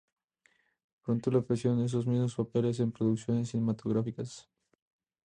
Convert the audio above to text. Pronto le ofrecieron esos mismos papeles en producciones cinematográficas.